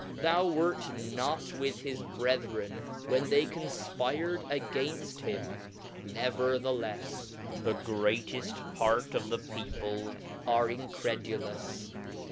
to CHahomst. Thou wert not with his brethren when they confpired againft him ; neverthelefs, the greateft part of the people are incre dulous.